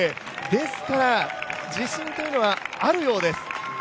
ですから自信というのはあるようです。